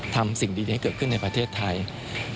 ทำสิ่งดีให้เกิดขึ้นในประเทศไทย